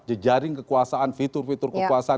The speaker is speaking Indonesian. jejaring kekuasaan fitur fitur kekuasaan